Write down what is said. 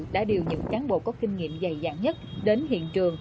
đã điều những cán bộ có kinh nghiệm dày dặn nhất đến hiện trường